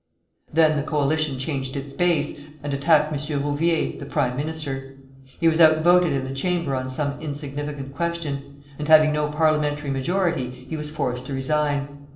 Then the coalition changed its base, and attacked M. Rouvier, the prime minister. He was outvoted in the Chamber on some insignificant question; and having no parliamentary majority, he was forced to resign.